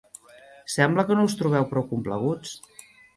Sembla que no us trobeu prou complaguts.